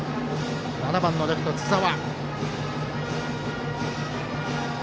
７番のレフト、津澤。